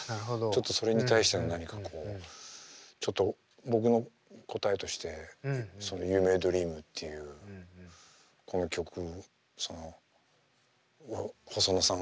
ちょっとそれに対しての何かこうちょっと僕の答えとしてその「ユーメイドリーム」っていうこの曲細野さん